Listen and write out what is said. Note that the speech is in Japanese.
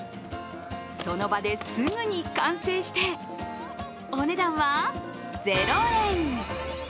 その場ですぐに完成してお値段は０円。